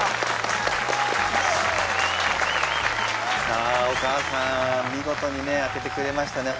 さあお母さん見事にね当ててくれましたね。